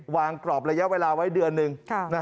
กรอบระยะเวลาไว้เดือนหนึ่ง